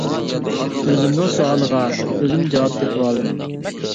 ئۆزۈمنىڭ سوئالىغا ئۆزۈم جاۋاب تېپىۋالدىم.